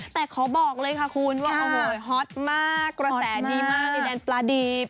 แต่ขอบอกเลยค่ะคุณว่าโอ้โหฮอตมากกระแสดีมากในแดนปลาดีบ